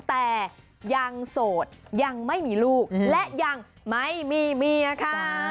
แต่ยังโสดยังไม่มีลูกและยังไม่มีเมียค่ะ